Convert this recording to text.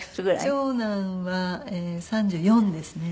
長男は３４ですね。